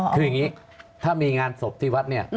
คืออย่างนี้ถ้ามีงานศพที่วัดเนี่ย